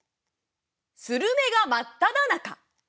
スルメがまっただ中